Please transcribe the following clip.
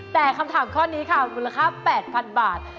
แต่คำถามข้อนี้ค่ะมูลค่า๘๐๐๐บาท